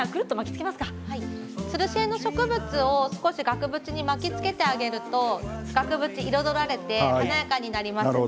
つる性の植物を額縁に巻きつけると額縁が彩られて、華やかになります。